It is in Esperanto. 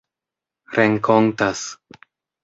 renkontas